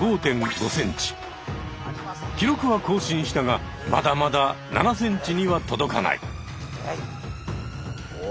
記録は更新したがまだまだ７ｃｍには届かない。